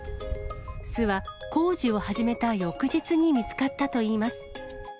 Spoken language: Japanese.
巣は工事を始めた翌日に見つかったといいます。